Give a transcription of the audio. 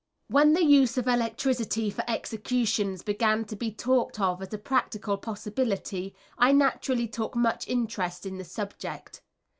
] When the use of electricity for executions began to be talked of as a practical possibility, I naturally took much interest in the subject.